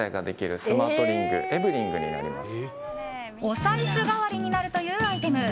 お財布代わりになるというアイテム。